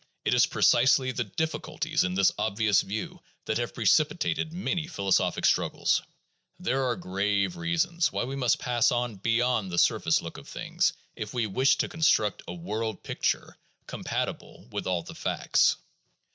It is precisely the difficulties in this obvious view that have precipitated many philosophic struggles; there are grave reasons why we must pass on beyond the surface look of things if we wish to construct a world picture compatible with all the facts.